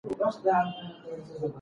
ماشومان د لوبو له لارې خپل ځان کنټرولوي.